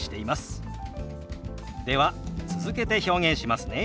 では続けて表現しますね。